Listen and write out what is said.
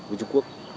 với trung quốc